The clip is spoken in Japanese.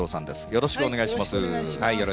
よろしくお願いします。